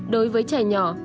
đối với trẻ nhỏ